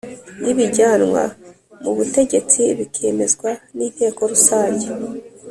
ybijyanwa mu ubutegetsi bikemezwa n Inteko Rusange